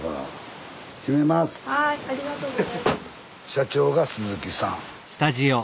社長が鈴木さん。